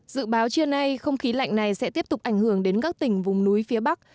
dự báo trưa nay không khí lạnh này sẽ tiếp tục ảnh hưởng đến các tỉnh vùng núi phía bắc